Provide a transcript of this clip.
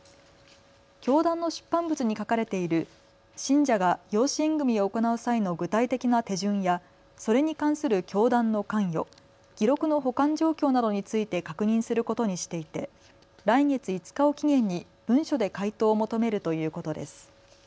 教団の出版物に書かれている信者が養子縁組みを行う際の具体的な手順やそれに関する教団の関与、記録の保管状況などについて確認することにしていて来月５日を期限に文書で回答を求めるということです。